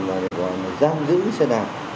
là gọi là giam giữ cái xe đạp